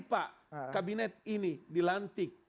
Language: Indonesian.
pak kabinet ini dilantik